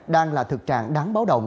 đang là thực trạng đáng báo động